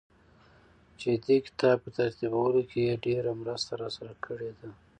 چي ددې کتاب په ترتيبولو کې يې ډېره مرسته راسره کړې ده.